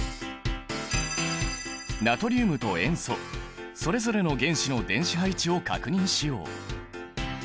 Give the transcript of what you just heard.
ナトリウムと塩素それぞれの原子の電子配置を確認しよう！